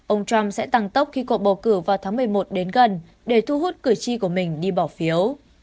ông trump sẽ tăng tốc khi cuộc bầu cử vào tháng một mươi một đến gần để thu hút cử tri của mình đi bỏ phiếu